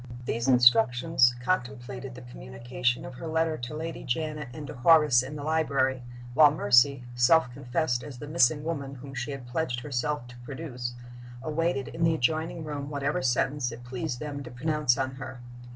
These instructions contemplated the communication of her letter to Lady Janet and to Horace in the library, while Mercy self confessed as the missing woman whom she had pledged herself to produce awaited in the adjoining room whatever sentence it pleased them to pronounce on her.